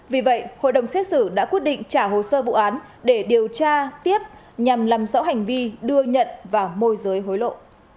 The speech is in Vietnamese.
vì vậy hội đồng xét xử đã quyết định trả hồ sơ vụ án để điều tra tiếp nhằm làm rõ hành vi đưa nhận và môi giới hối lộ